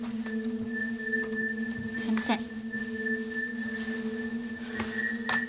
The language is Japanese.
すいません。